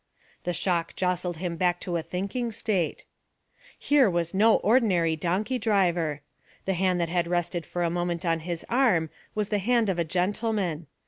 The shock jostled him back to a thinking state. Here was no ordinary donkey driver. The hand that had rested for a moment on his arm was the hand of a gentleman.